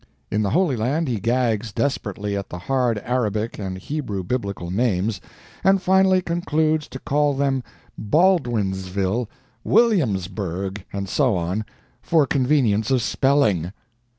In the Holy Land he gags desperately at the hard Arabic and Hebrew Biblical names, and finally concludes to call them Baldwinsville, Williamsburgh, and so on, "for convenience of spelling."